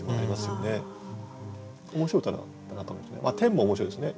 「、」も面白いですね